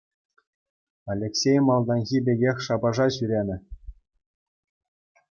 Алексей малтанхи пекех шапаша ҫӳренӗ.